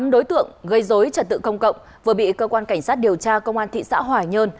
một mươi tám đối tượng gây dối trật tự công cộng vừa bị cơ quan cảnh sát điều tra công an thị xã hỏa nhơn